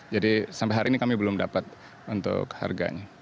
jadi sampai hari ini kami belum dapat untuk harganya